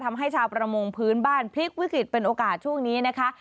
ทำให้ชาวประมงพื้นบ้านพลิกวิกฤตเป็นโอกาสช่วงนี้นะคะ